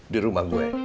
di rumah gue